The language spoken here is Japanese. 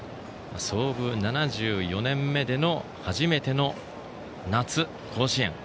創部７４年目での初めての夏の甲子園。